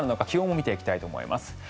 気温も見ていきたいと思います。